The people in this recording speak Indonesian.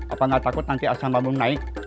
apa nggak takut nanti asam lambung naik